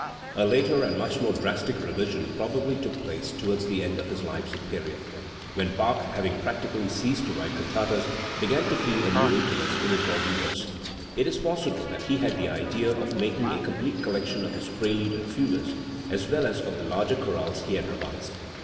A later and much more drastic revision probably took place towards the end of his Leipzig period, when Bach, having practically ceased to write cantatas, began to feel a new interest in his organ works. It is possible that he had the idea of making a complete collection of his preludes and fugues, as well as of the larger chorales he had revised.